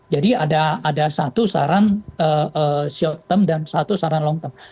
jadi ada satu saran short term dan satu saran long term